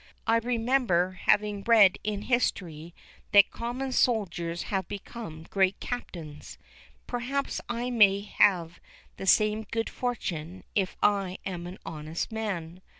I remember having read in history that common soldiers have become great captains; perhaps I may have the same good fortune if I am an honest man.